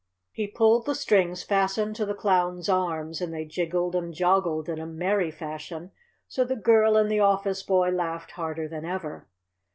He pulled the strings fastened to the Clown's arms, and they jiggled and joggled in a merry fashion, so the girl and the office boy laughed harder than ever.